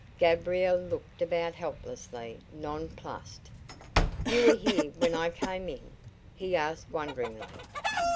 Gabriel looked about helplessly, nonplussed. "You were here when I came in?" he asked, wonderingly.